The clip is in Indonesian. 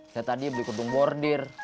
saya tadi beli kedung bordir